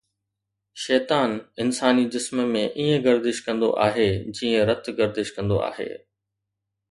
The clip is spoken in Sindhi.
شيطان انساني جسم ۾ ائين گردش ڪندو آهي جيئن رت گردش ڪندو آهي